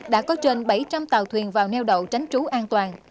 đã có trên bảy trăm linh tàu thuyền vào neo đậu tránh trú an toàn